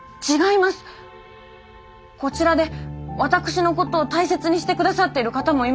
こちらで私のことを大切にして下さっている方もいます。